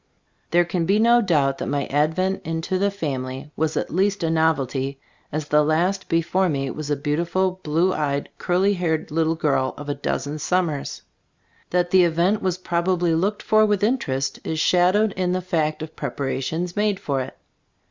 There can be no doubt that my ad vent into the family was at least a novelty, as the last before me was a beautiful blue eyed, curly haired little girl of a dozen summers. That the event was probably looked for with interest is shadowed in the fact of preparations made for it.